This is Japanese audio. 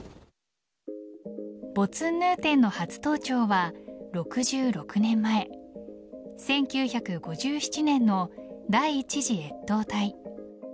ボツンヌーテンの初登頂は６６年前１９５７年の第１次越冬隊。